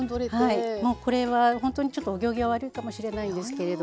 はいもうこれは本当にちょっとお行儀は悪いかもしれないんですけれども。